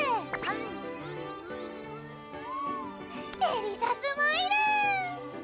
デリシャスマイル！